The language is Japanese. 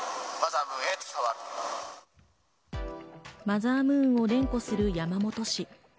マザームーンを連呼する山本氏。